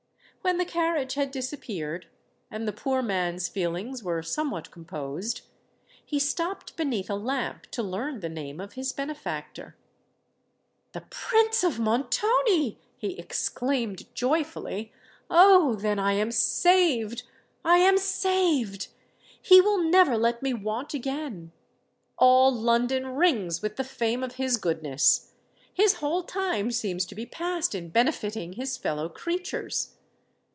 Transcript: When the carriage had disappeared, and the poor man's feelings were somewhat composed, he stopped beneath a lamp to learn the name of his benefactor. "The Prince of Montoni!" he exclaimed joyfully: "oh! then I am saved—I am saved; he will never let me want again! All London rings with the fame of his goodness: his whole time seems to be passed in benefiting his fellow creatures!